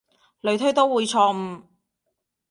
類推都會錯誤